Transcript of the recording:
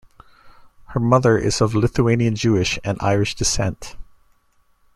Her mother is of Lithuanian Jewish and Irish descent.